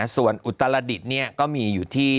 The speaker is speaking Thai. ส่วนอุตรดิษฐ์ก็มีอยู่ที่